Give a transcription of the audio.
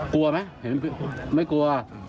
กลัวไหมไม่กลัว